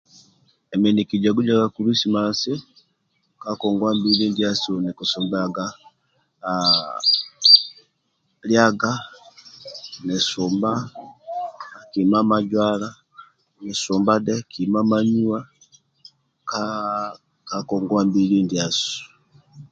Emi nikijagujaga kulisimasi ka ngongwa mbili ndiasu nikisumbaga liaga nisumba dhe kima manuwa ka ngongwa mbili ndiasu